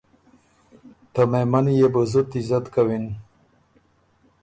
ته مهمني يې بُو زُت عزت کوِن